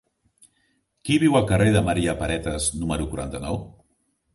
Qui viu al carrer de Maria Paretas número quaranta-nou?